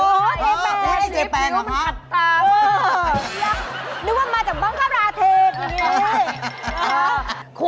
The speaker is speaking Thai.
โอ้โฮเจแปนหรอคะเออนึกว่ามาจากบ้านคราวราเทศ